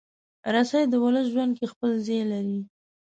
رسۍ د ولس ژوند کې خپل ځای لري.